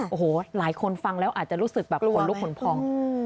โอ้โหหลายคนฟังแล้วอาจจะรู้สึกแบบขนลุกขนพอง